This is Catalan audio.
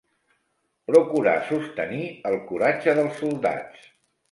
Procurar sostenir el coratge dels soldats.